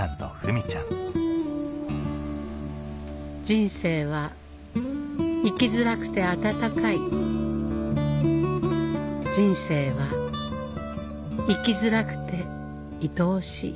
人生は生きづらくて温かい人生は生きづらくていとおしい